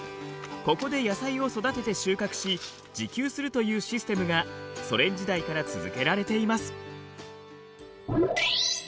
ここで野菜を育てて収穫し自給するというシステムがソ連時代から続けられています。